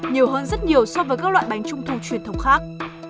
nhiều hơn rất nhiều so với các loại bánh trung thu truyền thống khác